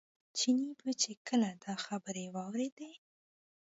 چیني به چې کله دا خبرې واورېدې.